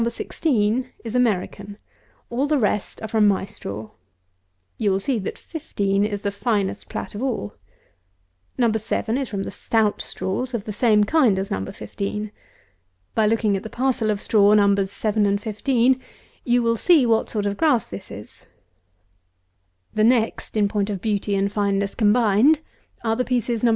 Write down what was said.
16 is American; all the rest are from my straw. You will see, that 15 is the finest plat of all. No. 7 is from the stout straws of the same kind as No. 15. By looking at the parcel of straw Nos. 7 and 15, you will see what sort of grass this is. The next, in point of beauty and fineness combined, are the pieces Nos.